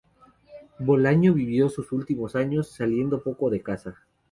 Bolaño vivió sus últimos años saliendo poco de casa.